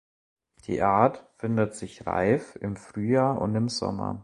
Die Art findet sich reif im Frühjahr und im Sommer.